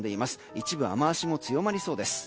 一部、雨脚も強まりそうです。